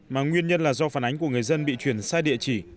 mà nguyên nhân là do phản ánh của người dân bị chuyển sai địa chỉ